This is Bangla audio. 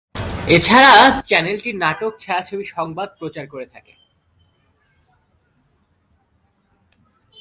এছাড়া চ্যানেলটি নাটক, ছায়াছবি, সংবাদ প্রচার করে থাকে।